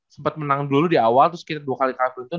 sempet menang dulu di awal terus kita dua kali kalah beruntun